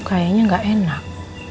kayaknya gak enak